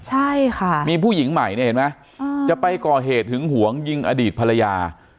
ใช่ค่ะมีผู้หญิงใหม่เนี่ยเห็นไหมจะไปก่อเหตุหึงหวงยิงอดีตภรรยา